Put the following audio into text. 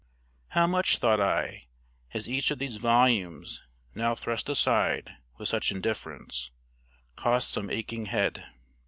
How much, thought I, has each of these volumes, now thrust aside with such indifference, cost some aching head!